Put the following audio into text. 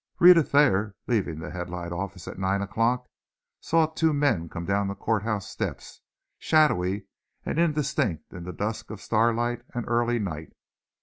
Rhetta Thayer, leaving the Headlight office at nine o'clock, saw two men come down the courthouse steps, shadowy and indistinct in the dusk of starlight and early night.